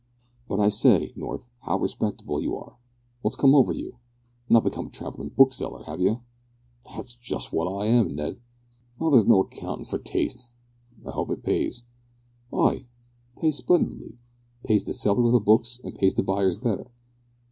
"But I say, North, how respectable you are! What's come over you? not become a travellin' bookseller, have you?" "That's just what I am, Ned." "Well, there's no accountin' for taste. I hope it pays." "Ay, pays splendidly pays the seller of the books and pays the buyers better."